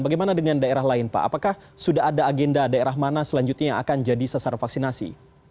bagaimana dengan daerah lain pak apakah sudah ada agenda daerah mana selanjutnya yang akan jadi sasaran vaksinasi